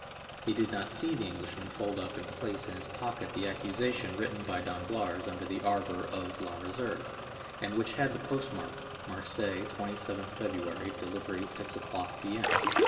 He did not see the Englishman fold up and place in his pocket the accusation written by Danglars under the arbor of La Réserve, and which had the postmark, "Marseilles, 27th February, delivery 6 o'clock, P.M."